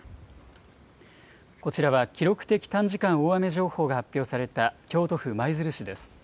こちらは記録的短時間大雨情報が発表された京都府舞鶴市です。